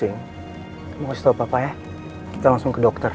yang bisa memperbaiki semua hal yang salah di hidup papa